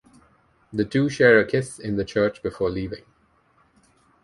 The two share a kiss in the church before leaving.